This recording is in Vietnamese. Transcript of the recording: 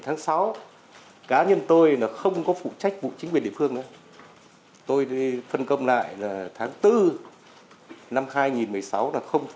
tháng bốn năm hai nghìn một mươi sáu là không phụ trách của chính quyền địa phương